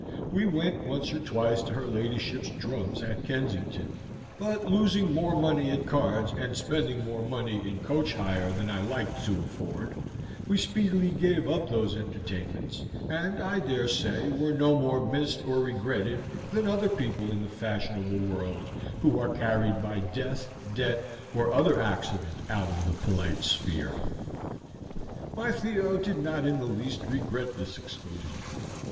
We went once or twice to her ladyship's drums at Kensington; but, losing more money at cards, and spending more money in coach hire than I liked to afford, we speedily gave up those entertainments, and, I dare say, were no more missed or regretted than other people in the fashionable world, who are carried by death, debt, or other accident out of the polite sphere. My Theo did not in the least regret this exclusion.